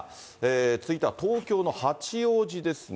続いては東京の八王子ですね。